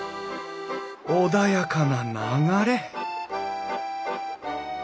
穏やかな流れ